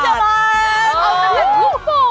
ไอล์โหลดแล้วคุณหลานโหลดหรือยัง